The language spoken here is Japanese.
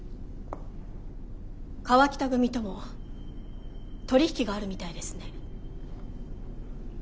川北組とも取り引きがあるみたいですね。